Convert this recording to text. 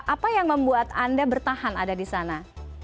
apa yang membuat anda bertahan ada di sana